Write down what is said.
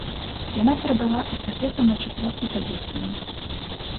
Яна перадала эстафету на чацвёртай пазіцыі.